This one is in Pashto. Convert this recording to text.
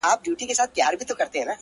• د قدرت پر دښمنانو کړي مور بوره,